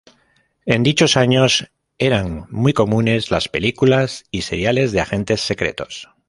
En dichos años eran muy comunes las películas y seriales de agentes secretos.